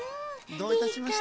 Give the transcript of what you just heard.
どういたしまして。